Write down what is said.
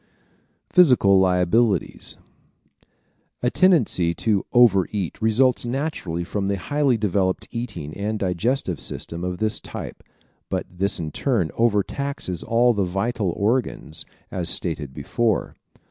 Physical Liabilities ¶ A tendency to over eat results naturally from the highly developed eating and digesting system of this type but this in turn overtaxes all the vital organs, as stated before.